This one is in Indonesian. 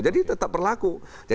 jadi tetap berlaku